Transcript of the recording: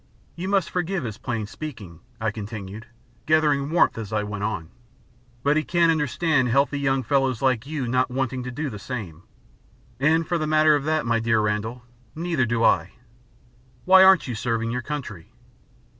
You must forgive his plain speaking," I continued, gathering warmth as I went on, "but he can't understand healthy young fellows like you not wanting to do the same. And, for the matter of that, my dear Randall, neither do I. Why aren't you serving your country?"